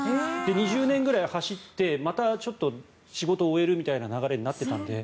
２０年ぐらい走ってまた仕事を終えるみたいな流れになっていたので。